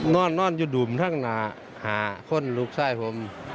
นอนอยู่ดุ่มทั้งหาคนลูกชายผม